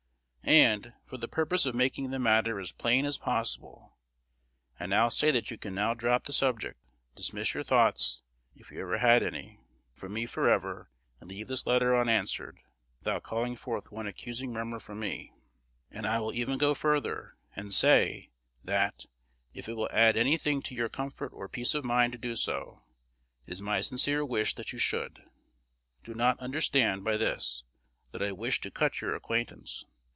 And, for the purpose of making the matter as plain as possible, I now say that you can now drop the subject, dismiss your thoughts (if you ever had any) from me forever, and leave this letter unanswered, without calling forth one accusing murmur from me. And I will even go further, and say, that, if it will add any thing to your comfort or peace of mind to do so, it is my sincere wish that you should. Do not understand by this that I wish to cut your acquaintance.